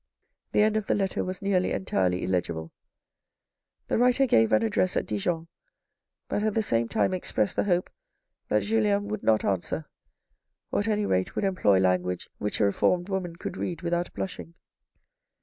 The end of the letter was nearly entirely illegible. The writer gave an address at Dijon, but at the same time expressed the hope that Julien would not answer, or at any rate would employ language which a reformed woman could read without blushing.